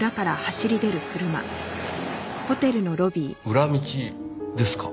裏道ですか？